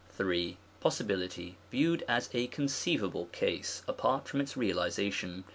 in. Possibility viewed as a conceivable case, apart from its realization.